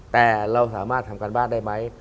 แต่เราสามารถทำการบ้านได้ไหม